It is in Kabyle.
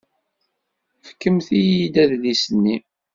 Fkemt-iyi-d adlis-nni.